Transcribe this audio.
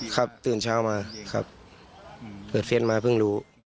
ตื่นเช้ามาครับเปิดเฟสมาเพิ่งรู้